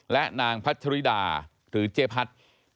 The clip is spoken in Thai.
และนางพัตธริดาหรือเจพัทธรรม